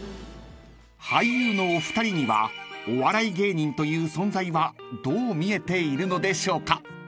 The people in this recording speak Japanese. ［俳優のお二人にはお笑い芸人という存在はどう見えているのでしょうか？］